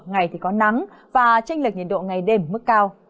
ngày thì có nắng và tranh lệch nhiệt độ ngày đêm ở mức cao